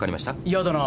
嫌だな。